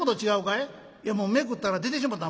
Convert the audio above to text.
「いやもうめくったら出てしもうた。